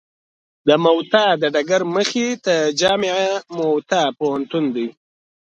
د موته د ډګر مخې ته جامعه موته پوهنتون دی.